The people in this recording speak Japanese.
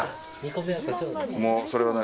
もう、それは、何？